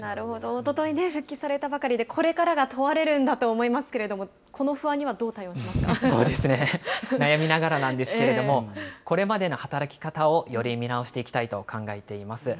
おとといね、復帰されたばかりで、これからが問われるんだと思いますけれども、この不安にはどう対そうですね、悩みながらなんですけれども、これまでの働き方をより見直していきたいと考えています。